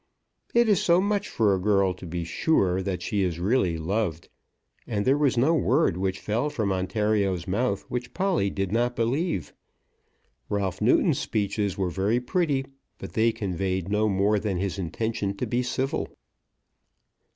It is so much for a girl to be sure that she is really loved! And there was no word which fell from Ontario's mouth which Polly did not believe. Ralph Newton's speeches were very pretty, but they conveyed no more than his intention to be civil.